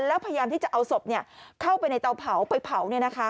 แล้วพยายามที่จะเอาศพเข้าไปในเตาเผาไปเผา